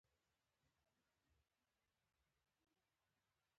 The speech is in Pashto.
په داسې یوه امیر باور کول ورته ګران وو.